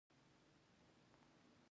مرو ته راځم او یو څوک به ولېږم.